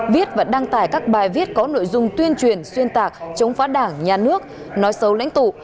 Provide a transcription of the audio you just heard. viết và đăng tải các bài viết có nội dung tuyên truyền xuyên tạc chống phá đảng nhà nước nói xấu lãnh tụ